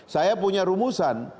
saya punya rumusan